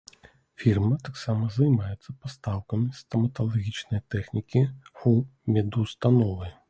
Фірма таксама займаецца пастаўкамі стаматалагічнай тэхнікі ў медустановы.